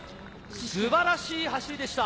素晴らしい走りでした。